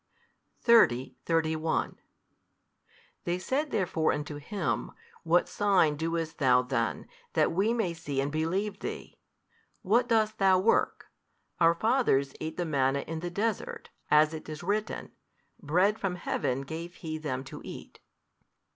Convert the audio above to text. |359 30, 31 They said therefore unto Him, What sign doest THOU then, that we may see and believe Thee? what dost Thou work? our fathers ate the manna in the desert, as it is written, Bread from Heaven gave He them to eat.